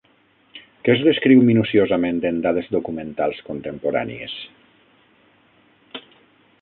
Què es descriu minuciosament en dades documentals contemporànies?